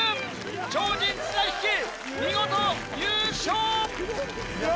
超人綱引き見事優勝！